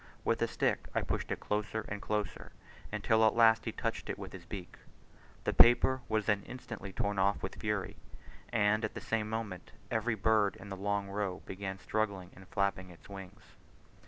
With a stick I pushed it closer and closer, until at last he touched it with his beak; the paper was then instantly torn off with fury, and at the same moment, every bird in the long row began struggling and flapping its wings.